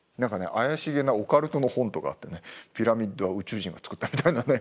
怪しげなオカルトの本とかあってね「ピラミッドは宇宙人がつくった」みたいなね。